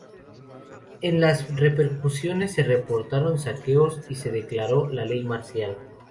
En las repercusiones, se reportaron saqueos y se declaró la ley marcial.